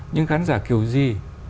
nhưng khán giả kiểu gì